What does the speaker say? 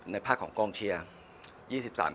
ภาคของกองเชียร์